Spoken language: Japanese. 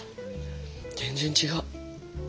全然違う。